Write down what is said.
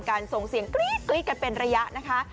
ส่งเสียงกรี๊ดกันเป็นระยะนะคะ